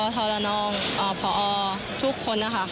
เท้ารณองพออพลทุกคนค่ะ